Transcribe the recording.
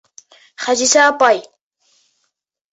Хәҙисә апай!